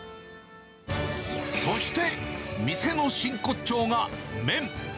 そして店の真骨頂が麺。